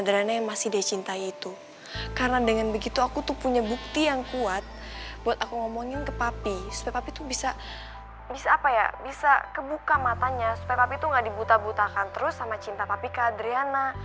supaya papi tuh gak dibutah butahkan terus sama cinta papi ke adriana